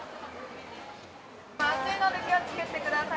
熱いので気をつけてください。